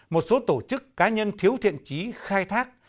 một số tổ chức cá nhân thiếu thiện trí khai thác